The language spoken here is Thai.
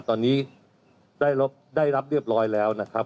ตอนนี้ได้รับเรียบร้อยแล้วนะครับ